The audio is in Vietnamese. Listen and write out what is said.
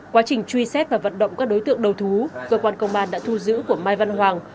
quá trình truy xét và vận động các đối tượng đầu thú cơ quan công an đã thu giữ của mai văn hoàng